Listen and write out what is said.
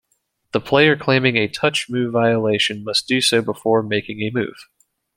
The player claiming a touch-move violation must do so before making a move.